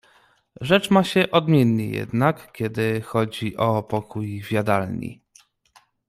"Rzecz ma się odmiennie, jednak kiedy chodzi o pokój w jadalni."